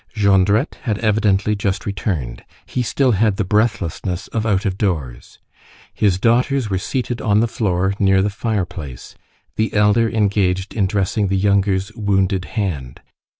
Jondrette had evidently just returned. He still had the breathlessness of out of doors. His daughters were seated on the floor near the fireplace, the elder engaged in dressing the younger's wounded hand.